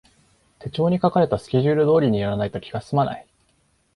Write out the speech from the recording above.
手帳に書かれたスケジュール通りにやらないと気がすまない